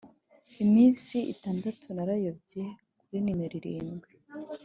iminsi itandatu narayobye, - kuri nimero irindwi